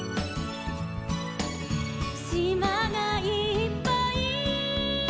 「しまがいっぱい」